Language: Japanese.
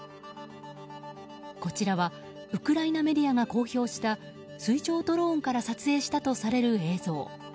こちらはウクライナメディアが公表した水上ドローンから撮影したとされる映像。